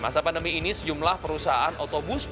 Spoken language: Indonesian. di masa pandemi ini sejumlah perusahaan otobus ini